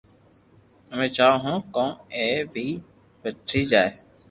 امي چاھو ھون ڪو ائ بي پڻڙي جائي